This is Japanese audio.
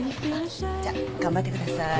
じゃあ頑張ってください。